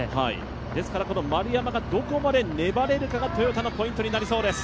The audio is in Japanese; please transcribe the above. ですから丸山がどこまで粘れるかがトヨタのポイントになりそうです。